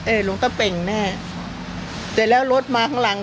หลวงตะเป่งแน่เสร็จแล้วรถมาข้างหลัง